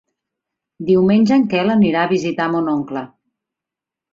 Diumenge en Quel anirà a visitar mon oncle.